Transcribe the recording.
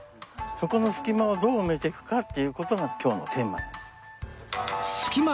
そこの隙間をどう埋めていくかっていう事が今日のテーマです。